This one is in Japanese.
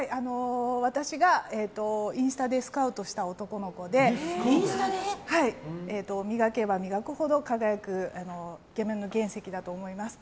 私がインスタでスカウトした男の子で磨けば磨くほど輝くイケメンの原石だと思います。